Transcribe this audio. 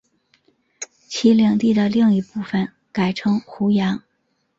其领地的另一部分改称湖阳。